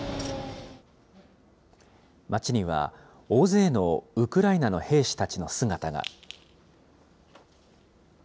街には大勢のウクライナの兵士たちの姿が。